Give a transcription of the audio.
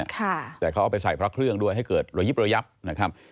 แต่เขาเอาไปใส่พระเครื่องด้วยให้เกิดระยิบระยับนะครับ